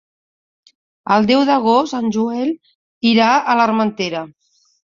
El deu d'agost en Joel irà a l'Armentera.